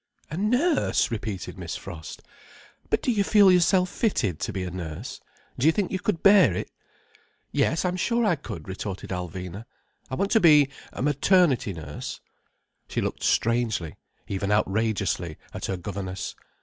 "A nurse!" repeated Miss Frost. "But do you feel yourself fitted to be a nurse? Do you think you could bear it?" "Yes, I'm sure I could," retorted Alvina. "I want to be a maternity nurse—" She looked strangely, even outrageously, at her governess.